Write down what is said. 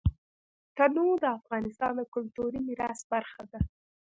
تنوع د افغانستان د کلتوري میراث برخه ده.